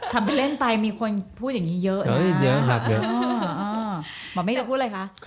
ทำเป็นเล่นไปมีคนพูดอย่างงี้เยอะน่ะเยอะหักเยอะอ๋ออ๋อหมอไม่ได้จะพูดอะไรค่ะ